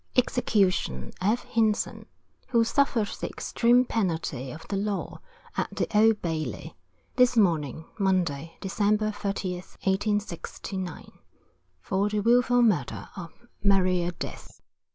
EXECUTION F. HINSON, Who suffered the extreme penalty of the law, at the Old Bailey, this morning, Monday, December, 13th, 1869, for the Wilful Murder of Maria Death.